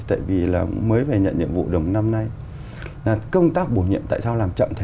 tại vì là mới phải nhận nhiệm vụ đồng năm nay là công tác bổ nhiệm tại sao làm chậm thế